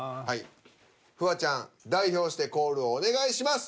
フワちゃん代表してコールをお願いします。